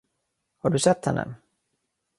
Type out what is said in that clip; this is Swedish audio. Har du sett henne?